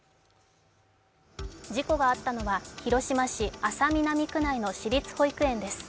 事故があったのは広島市安佐南区内の市立保育園です。